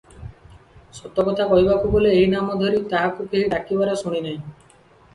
ସତ କଥା କହିବାକୁ ଗଲେ ଏହିନାମ ଧରି ତାହାକୁ କେହି ଡାକିବାର ଶୁଣିନାହୁଁ ।